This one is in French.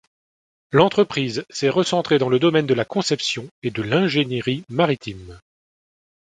L'entreprise s'est recentré dans le domaine de la conception et de l'ingénierie maritime.